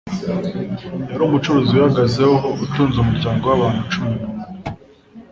yari umucuruzi wihagazeho utunze umuryango w'abantu cumi numwe